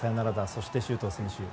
そして、周東選手。